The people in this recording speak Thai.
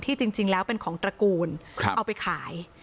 จริงแล้วเป็นของตระกูลเอาไปขาย